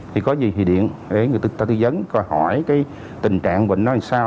thì có gì thì điện người tư dấn hỏi tình trạng bệnh nó sao